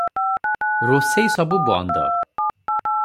ରୋଷେଇ ସବୁ ବନ୍ଦ ।